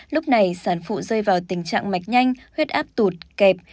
lúc này sản phụ rơi vào tình trạng mạch nhanh huyết áp tụt kẹp